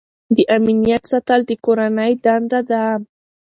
د امنیت ساتل د کورنۍ دنده ده.